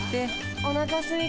おなかすいた。